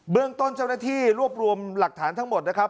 เรื่องต้นเจ้าหน้าที่รวบรวมหลักฐานทั้งหมดนะครับ